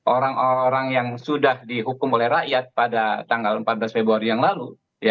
orang orang yang sudah dihukum oleh rakyat pada tanggal empat belas februari yang lalu